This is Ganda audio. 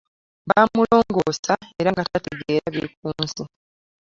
Baamulongoosa era nga tategeera biri ku nsi.